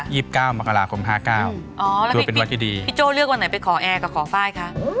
ยี่สิบเก้ามากราคมห้าเก้าอ๋อพี่โจ้เลือกวันไหนไปขอแอร์กับขอไฟล์คะ